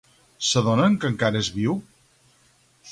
S'adonen que encara és viu?